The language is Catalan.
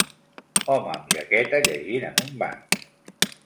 Home amb jaqueta llegint en un banc.